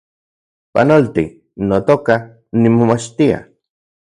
Panolti, notoka, nimomachtia